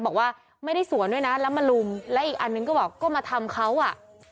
บอกว่าไม่ได้สวนด้วยนะแล้วมาลุมและอีกอันนึงก็บอกก็มาทำเขาอ่ะ